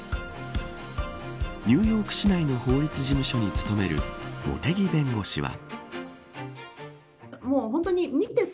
ニューヨーク市内の法律事務所に勤める茂木弁護士は。